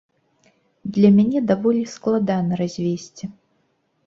Для мяне даволі складана развесці.